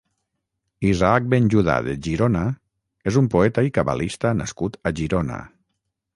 Isaac ben Judà de Girona és un poeta i cabalista nascut a Girona.